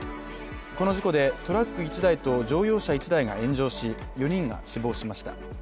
この事故でトラック１台と乗用車１台が炎上し、４人が死亡しました。